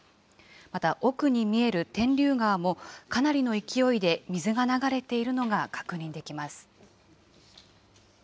また奥に見える天竜川もかなりの勢いで水が流れているのが確認できます。